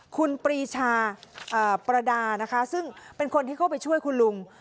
คุณปรีชาประดานะคะซึ่งเป็นคนที่เข้าไปช่วยคุณลุง